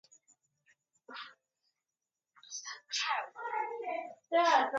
Carrey's version is also on the movie's soundtrack.